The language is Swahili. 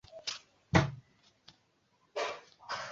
Katika klabu ya Manchester Unitedi na timu yake ya taifa